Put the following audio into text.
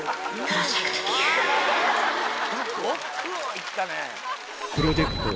いったね。